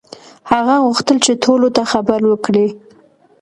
هغه غوښتل چې ټولو ته خبر وکړي.